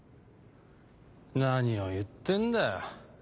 何を言ってんだよ。